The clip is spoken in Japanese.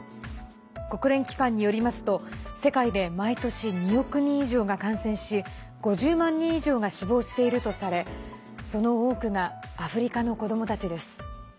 国連機関によりますと世界で毎年２億人以上が感染し５０万人以上が死亡しているとされその多くがアフリカの子どもたちです。